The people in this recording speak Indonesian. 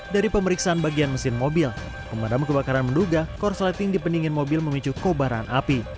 dari pemeriksaan bagian mesin mobil pemadam kebakaran menduga korsleting di pendingin mobil memicu kobaran api